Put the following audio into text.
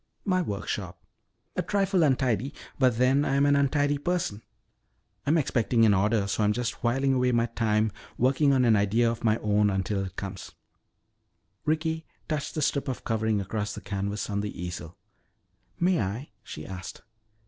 "My workshop. A trifle untidy, but then I am an untidy person. I'm expecting an order so I'm just whiling away my time working on an idea of my own until it comes." Ricky touched the strip of covering across the canvas on the easel. "May I?" she asked.